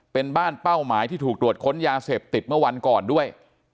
เป็นบ้านเป้าหมายที่ถูกตรวจค้นยาเสพติดเมื่อวันก่อนด้วย